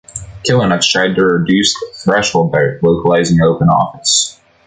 Kilinux tried to reduce the threshold by localizing Open Office.